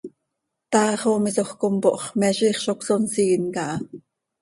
Taax oo misoj oo compooh x, me ziix zo cösonsiin caha.